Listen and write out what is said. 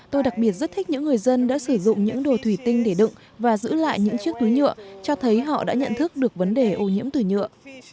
tôi đặc biệt rất thích những người dân đã sử dụng những đồ thủy tinh để đựng và giữ lại những chiếc túi nhựa cho thấy họ đã nhận thức được vấn đề ô nhiễm từ nhựa